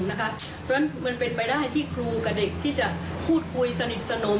เพราะฉะนั้นมันเป็นไปได้ที่ครูกับเด็กที่จะพูดคุยสนิทสนม